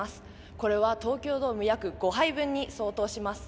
これは東京ドーム約５杯分に相当します。